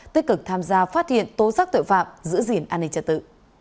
tích cực tham gia phát hiện tố sắc tội phạm giữ gìn an ninh trật tự